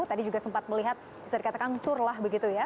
tadi juga sempat melihat bisa dikatakan tour lah begitu ya